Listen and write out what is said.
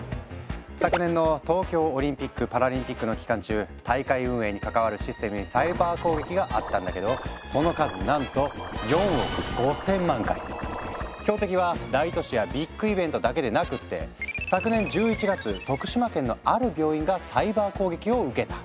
昨年の東京オリンピックパラリンピックの期間中大会運営に関わるシステムにサイバー攻撃があったんだけどその数なんと標的は大都市やビッグイベントだけでなくって昨年１１月徳島県のある病院がサイバー攻撃を受けた。